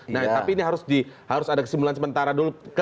nah tapi ini harus ada kesimpulan sementara dulu